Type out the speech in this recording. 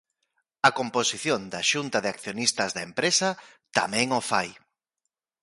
A composición da xunta de accionistas da empresa tamén o fai.